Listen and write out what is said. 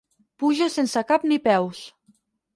Puja sense cap ni peus.